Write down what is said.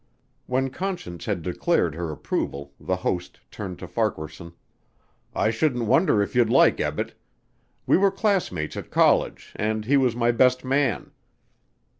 When Conscience had declared her approval the host turned to Farquaharson. "I shouldn't wonder if you'd like Ebbett. We were classmates at college, and he was my best man.